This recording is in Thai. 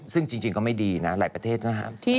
ซึ่งจริงก็ไม่ดีนะหลายประเทศทหาร